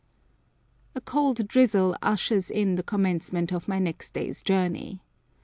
A cold drizzle ushers in the commencement of my next day's journey.